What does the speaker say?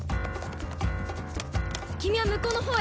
君はむこうの方へ。